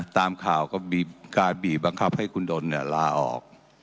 ตามข่าวก็มีการบีบบังคับให้คุณดนลาออก